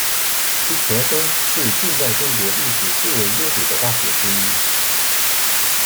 其前身是近代中国历史最为悠久的大学之一。